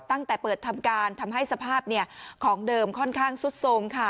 ตั้งแต่เปิดทำการทำให้สภาพของเดิมค่อนข้างซุดโทรมค่ะ